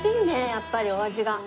やっぱりお味が。